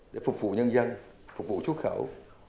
để phục vụ nhân dân phục vụ xuất khẩu